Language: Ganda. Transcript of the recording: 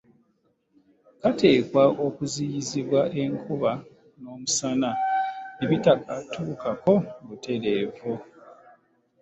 Kateekwa okuziyizibwa enkuba n’omusana ne bitakatuukako butereevu.